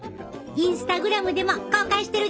インスタグラムでも公開してるでえ。